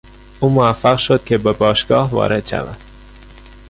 او موفق شد که به باشگاه وارد شود.